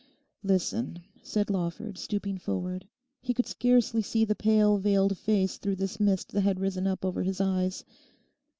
'Listen,' said Lawford, stooping forward. He could scarcely see the pale, veiled face through this mist that had risen up over his eyes.